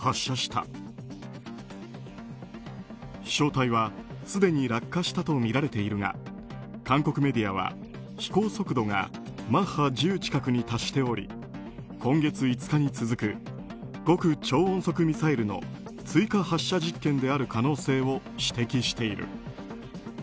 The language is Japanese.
飛翔体はすでに落下したとみられているが韓国メディアは飛行速度がマッハ１０近くに達しており今月５日に続く極超音速ミサイルの追加発射実験である可能性を指摘している。